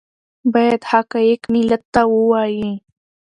باید حقایق ملت ته ووایي